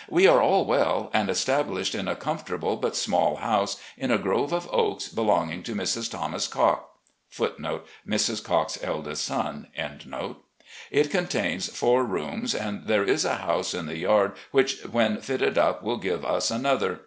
. We are all well, and established in a com fortable but small house, in a grove of oaks, belonging to Mr. Thomas Cocke.* It contains four rooms, and there is a house in the yard which when fitted up will give us another.